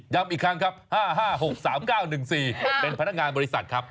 อีกครั้งครับ๕๕๖๓๙๑๔เป็นพนักงานบริษัทครับ